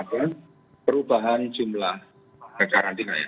kita tahu ada perubahan jumlah karantina ya